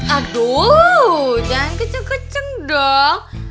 aduh jangan keceng keceng dong